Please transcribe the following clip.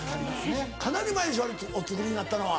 かなり前でしょあれお作りになったのは。